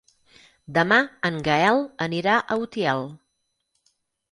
Demà en Gaël anirà a Utiel.